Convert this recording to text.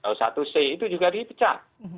o satu c itu juga dipecat